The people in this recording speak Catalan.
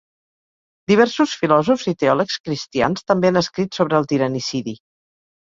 Diversos filòsofs i teòlegs cristians també han escrit sobre el tiranicidi.